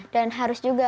dan harus juga